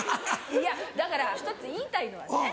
いやだから１つ言いたいのはね